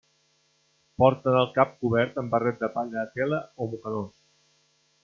Porten el cap cobert amb barret de palla de tela o mocadors.